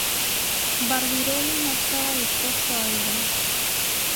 Barbirolli no estaba dispuesto a ello.